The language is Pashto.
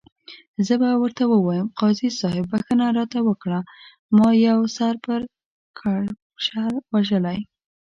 زه به ورته ووایم، قاضي صاحب بخښنه راته وکړه، ما یو سر پړکمشر وژلی.